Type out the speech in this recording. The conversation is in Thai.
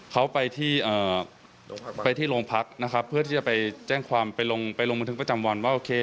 เขาไปที่ไปที่โรงพักนะครับเพื่อที่จะไปแจ้งความไปลงไปลงบันทึกประจำวันว่าโอเค